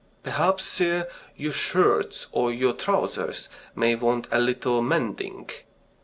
"Perhaps, sir, your shirts or your trousers may want a little mending?"